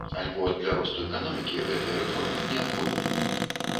Альбо для росту эканомікі гэтыя рэформы неабходны.